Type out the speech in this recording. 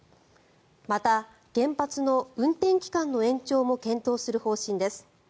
また、原発の運転期間の延長も検討する方針です。